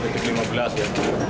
kurang lebih tiga lima belas ya